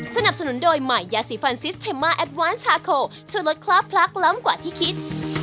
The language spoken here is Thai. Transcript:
สนับสนุนโดยใหม่ยาสีฟันซิสเทมมาแอดวานชาโคช่วยลดคลาบพลักล้ำกว่าที่คิด